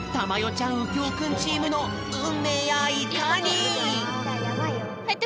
ちゃんうきょうくんチームのうんめいやいかに？